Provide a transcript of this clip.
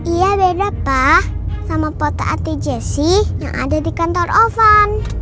iya beda pak sama foto anti jesse yang ada di kantor ovan